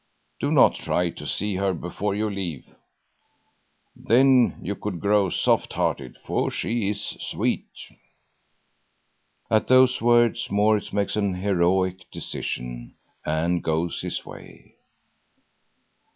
Do not try to see her before you leave, then you could grow soft hearted, for she is sweet." And at those words Maurits makes an heroic decision and goes his way.